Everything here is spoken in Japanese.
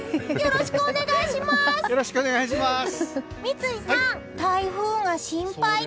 よろしくお願いします！